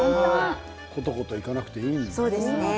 コトコトいかなくていいんですね。